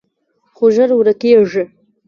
خو ژر ورکېږي